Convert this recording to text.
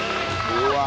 うわ！